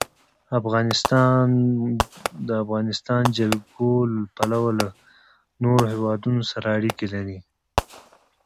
افغانستان د د افغانستان جلکو له پلوه له نورو هېوادونو سره اړیکې لري.